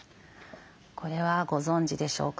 これはご存じでしょうか？